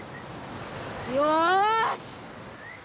よし！